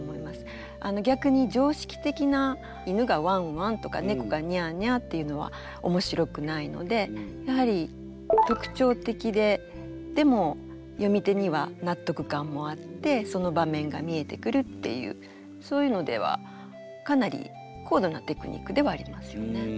逆に常識的な犬がワンワンとか猫がニャーニャーっていうのは面白くないのでやはり特徴的ででも読み手には納得感もあってその場面が見えてくるっていうそういうのではかなり高度なテクニックではありますよね。